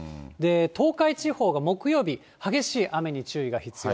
東海地方が木曜日、激しい雨に注意が必要。